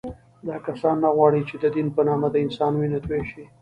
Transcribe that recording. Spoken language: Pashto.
دا کسان نه غواړي چې د دین په نامه د انسان وینه تویه شي